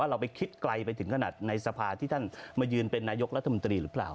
เราไปคิดไกลไปถึงขนาดในสภาที่ท่านมายืนเป็นนายกรัฐมนตรีหรือเปล่า